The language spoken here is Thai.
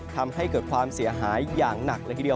ทำให้เกิดความเสียหายอย่างหนักเลยทีเดียว